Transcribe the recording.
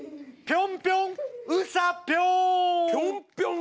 ピョンピョンウサピョン？